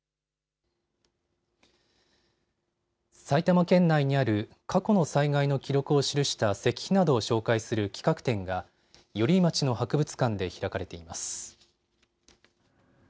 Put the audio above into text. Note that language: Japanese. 埼玉県内にある過去の災害の記録を記した石碑などを紹介する企画展が寄居町の博物館で開かれています。